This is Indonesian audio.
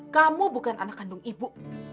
kamu bukan anak kandung ibu